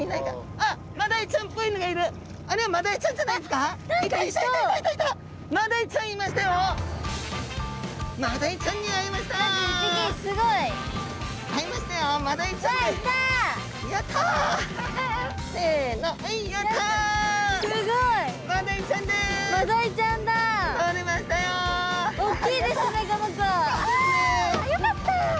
あよかった！